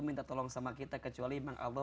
minta tolong sama kita kecuali memang allah